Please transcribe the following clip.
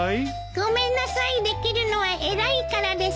ごめんなさいできるのは偉いからです。